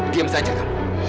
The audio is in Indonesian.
diam saja kamu